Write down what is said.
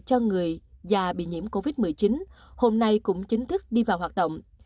cho người và bị nhiễm covid một mươi chín hôm nay cũng chính thức đi vào hoạt động